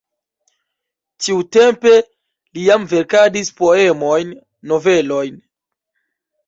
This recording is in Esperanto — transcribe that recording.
Tiutempe li jam verkadis poemojn, novelojn.